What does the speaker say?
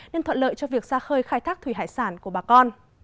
nên thuận lợi cho việc xa khơi khai thác thủy hải sản của bà con